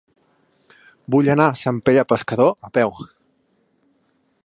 Vull anar a Sant Pere Pescador a peu.